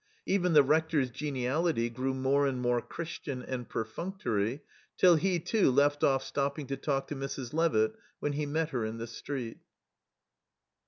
Even the Rector's geniality grew more and more Christian and perfunctory, till he too left off stopping to talk to Mrs. Levitt when he met her in the street.